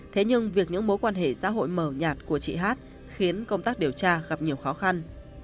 thế nhưng việc những mối quan hệ xã hội mờ nhạt của chị hát khiến công tác điều tra gặp nhiều khó khăn